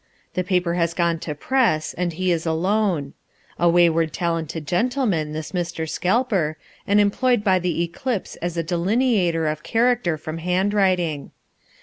The paper has gone to press and he is alone; a wayward talented gentleman, this Mr. Scalper, and employed by The Eclipse as a delineator of character from handwriting.